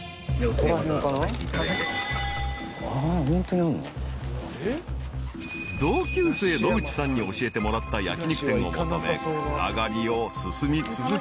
［同級生野口さんに教えてもらった焼き肉店を求め暗がりを進み続けると］